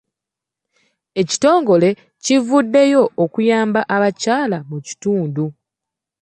Ekitongole kivuddeyo okuyamba abakyala mu kitundu.